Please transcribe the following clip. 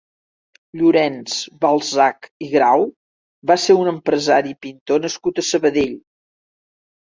Llorenç Balsac i Grau va ser un empresari i pintor nascut a Sabadell.